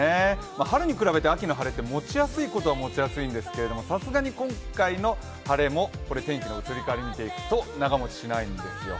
春に比べて秋の晴れはもちやすいことはもちやすいんですけれどもさすがに今回の晴れも天気の移り変わり見ていくと長持ちしないんですよ。